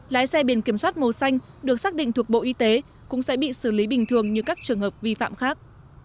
lái xe biển kiểm soát màu xanh được xác định thuộc bộ y tế cũng sẽ bị xử lý bình thường như các trường hợp vi phạm khác